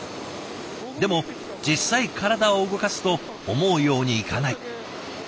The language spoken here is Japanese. でも実際体を動かすと思うようにいかない。